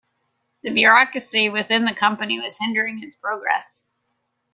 The bureaucracy within the company was hindering its progress.